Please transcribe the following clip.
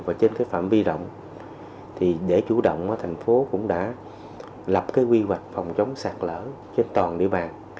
và trên cái phạm vi rộng thì để chủ động thành phố cũng đã lập cái quy hoạch phòng chống sạt lở trên toàn địa bàn